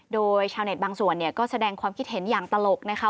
โดยชาวเน็ตบางส่วนเนี่ยก็แสดงความคิดเห็นอย่างตลกนะคะ